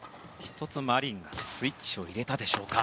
１つマリンがスイッチを入れたでしょうか。